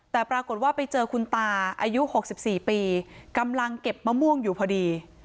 แต่ปรากฏว่าไปเจอคุณตาอายุ๖๔ปีกำลังเก็บมะม่วงอยู่พอดี